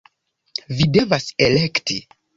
- Vi devas elekti!